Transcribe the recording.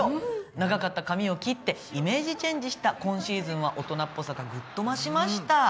長かった髪を切ってイメージチェンジした今シーズンは大人っぽさがグッと増しました。